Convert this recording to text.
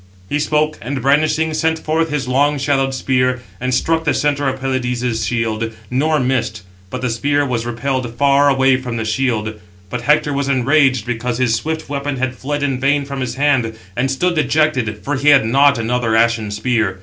He spoke, and, brandishing, sent forth his long shadowed spear, and struck the centre of Pelides' shield, nor missed; but the spear was repelled far away from the shield. But Hector was enraged because his swift weapon had fled in vain from his hand; and stood dejected, for he had not another ashen spear.